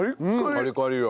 カリカリよ。